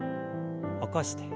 起こして。